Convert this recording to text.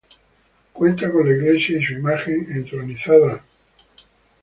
Cuenta con la iglesia y su imagen entronizada de la Virgen del Valle.